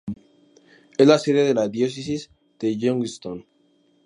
Es la sede de la Diócesis de Youngstown.